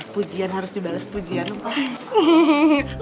pujihan harus dibalas pujian om pak